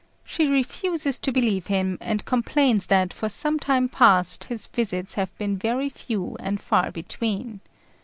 She refuses to believe him, and complains that, for some time past, his visits have been few and far between.